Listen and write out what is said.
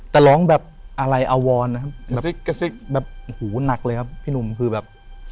แต่ร้องแบบอะไรอะวอนนะครับแบบหูหนักเลยครับพี่หนุ่มคือแบบ